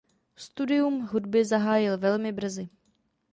Studium hudby zahájil velmi brzy.